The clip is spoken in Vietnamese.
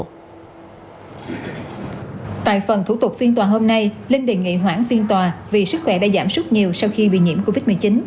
tại phần thủ tục phiên tòa hôm nay linh đề nghị hoãn phiên tòa vì sức khỏe đã giảm rất nhiều sau khi bị nhiễm covid một mươi chín